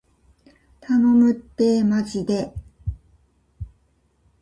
頼むってーまじで